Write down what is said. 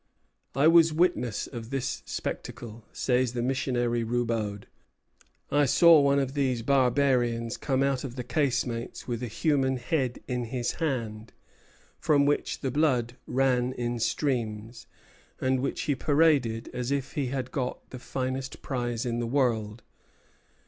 "I was witness of this spectacle," says the missionary Roubaud; "I saw one of these barbarians come out of the casemates with a human head in his hand, from which the blood ran in streams, and which he paraded as if he had got the finest prize in the world."